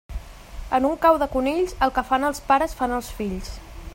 En un cau de conills, el que fan els pares fan els fills.